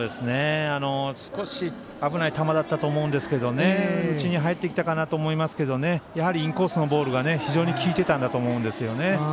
少し、危ない球だったと思うんですが内に入ってきたかなと思いますけどインコースのボールが非常に効いてたんだと思いますね。